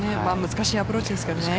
難しいアプローチですけど。